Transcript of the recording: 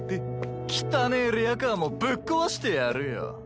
汚ぇリヤカーもぶっ壊してやるよ。